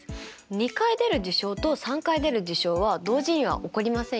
２回出る事象と３回出る事象は同時には起こりませんよね。